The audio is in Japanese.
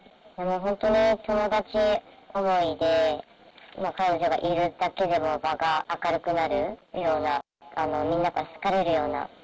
本当に友達思いで、彼女がいるだけで、場が明るくなるような、みんなから好かれるような。